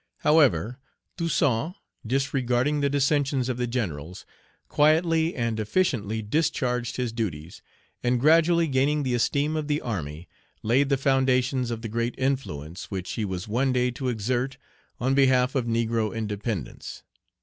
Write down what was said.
However, Toussaint, disregarding the dissensions of the generals, quietly and efficiently discharged his duties, and gradually gaining the esteem of the army, laid the foundations of the great influence which he was one day to exert on behalf of negro independence.